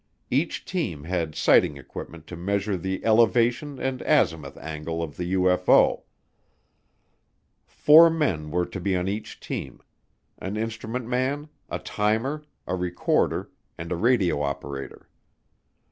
Each team had sighting equipment to measure the elevation and azimuth angle of the UFO. Four men were to be on each team, an instrument man, a timer, a recorder, and a radio operator.